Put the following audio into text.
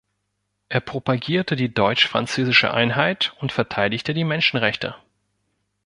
Er propagierte die deutsch-französische Einheit und verteidigte die Menschenrechte.